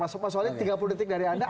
mas om mas soalnya tiga puluh detik dari anda